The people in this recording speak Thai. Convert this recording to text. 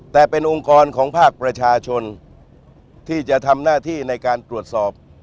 แต่เป็นองค์กรของภาคประชาชนที่จะทำหน้าที่ในการตรวจสอบ